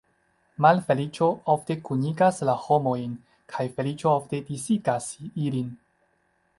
Malfeliĉo ofte kunigas la homojn, kaj feliĉo ofte disigas ilin.